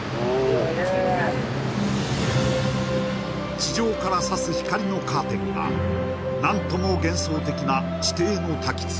地上から差す光のカーテンが何とも幻想的な地底の滝つぼ